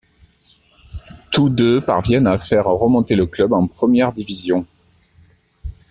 Tous deux parviennent à faire remonter le club en première division.